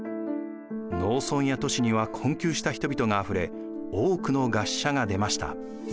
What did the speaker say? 農村や都市には困窮した人々があふれ多くの餓死者が出ました。